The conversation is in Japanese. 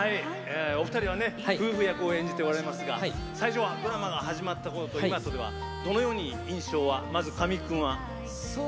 お二人は夫婦役をやっておられますがドラマが始まったころと今とではどのように印象は、まず神木君は？